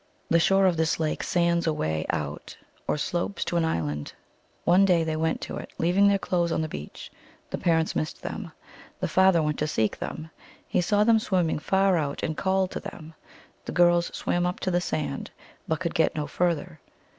The shore of this lake sands away out or slopes to an island. One day they went to it, leaving their clothes on the beach. The parents missed them. The father went to seek them. He saw them swim ming far out, and called to them. The girls swam up to the sand, but could get no further.